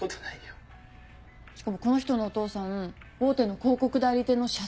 しかもこの人のお父さん大手の広告代理店の社長なんだよ。